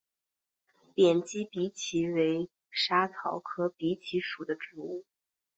扁基荸荠为莎草科荸荠属的植物。